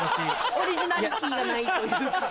オリジナリティーがないというか。